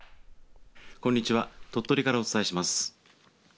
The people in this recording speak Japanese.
こんにちは鳥取からお伝えします。